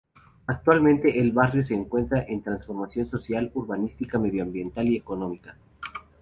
Actualmente el barrio se encuentra en transformación, social, urbanística, medioambiental y económica.